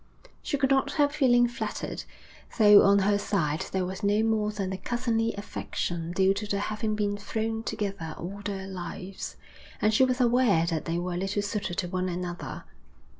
She could not help feeling flattered, though on her side there was no more than the cousinly affection due to their having been thrown together all their lives, and she was aware that they were little suited to one another.